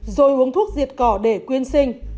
rồi uống thuốc diệt cỏ để quyên sinh